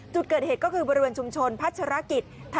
จุดเกิดเหตุก็คือบริเวณชุมชนพัฒนาศิลปิศาสตร์